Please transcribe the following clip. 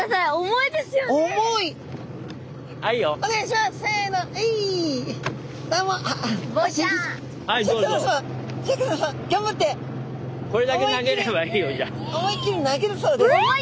思いっきり投げるそうです。